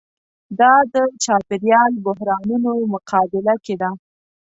دا د چاپېریال بحرانونو مقابله کې ده.